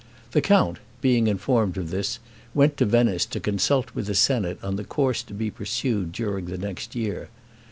The count being informed of this, went to Venice to consult with the senate on the course to be pursued during the next year.